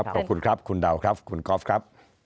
ขอบคุณครับคุณดาวครับคุณก๊อฟครับ